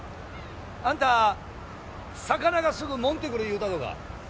あんた魚がすぐ戻ってくる言うたとが